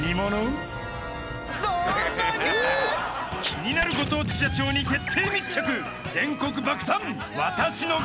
［気になるご当地社長に徹底密着！］